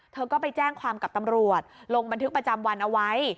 เธอก็ไปแจ้งความกับตำรวจลงบันทึกประจำวันเอาไว้